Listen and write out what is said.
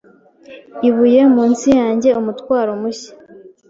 Ibuye munsi yanjye umutwaro mushya